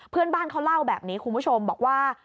เพื่อนบ้านเขาเล่าแบบนี้คุณผู้ชมบอกว่า